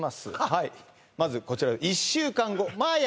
はいまずこちら１週間後守彬